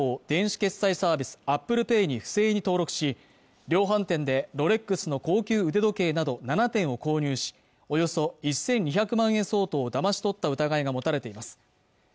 電子決済サービスアップルペイに不正に登録し量販店でロレックスの高級腕時計など７点を購入しおよそ１２００万円相当をだまし取った疑いが持たれています